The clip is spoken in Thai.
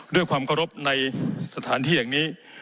ด้วยความเคารพในสถานที่อย่างนี้